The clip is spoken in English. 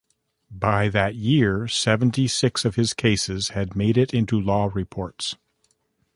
By that year, seventy-six of his cases had made it into law reports.